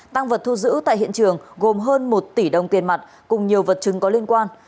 tăng vật thu giữ tại hiện trường gồm hơn một tỷ đồng tiền mặt cùng nhiều vật chứng có liên quan